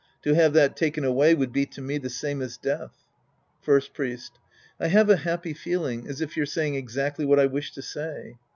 To have that taken away would be to me the same as death. First Priest. I have a happy feeling, as if you're saying exactly what I wish to say.